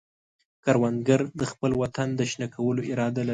کروندګر د خپل وطن د شنه کولو اراده لري